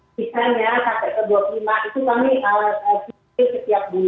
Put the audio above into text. nah misalnya sampai ke dua puluh lima itu kami kira kira setiap bulan